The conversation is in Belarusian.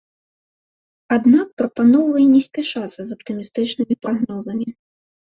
Аднак прапаноўвае не спяшацца з аптымістычнымі прагнозамі.